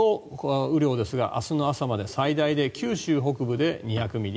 雨量ですが明日の朝まで最大で九州北部で２００ミリ